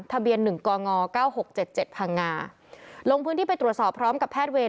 ทะเบียน๑กงเก้าหกเจ็ดเจ็ดพังงาลงพื้นที่ไปตรวจสอบพร้อมกับแพทย์เวร